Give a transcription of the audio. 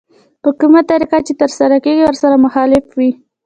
په کومه طريقه چې ترسره کېږي ورسره مخالف وي.